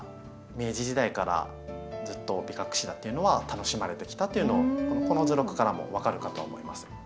明治時代からずっとビカクシダっていうのは楽しまれてきたっていうのこの図録からも分かるかと思います。